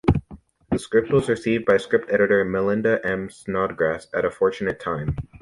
The script was received by script editor Melinda M. Snodgrass at a fortunate time.